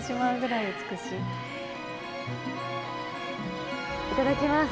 いただきます。